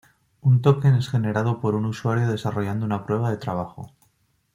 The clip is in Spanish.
Un token es generado por un usuario desarrollando una prueba de trabajo.